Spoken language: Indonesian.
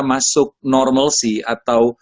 masuk normalcy atau